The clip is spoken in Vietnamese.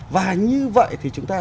và như vậy thì chúng ta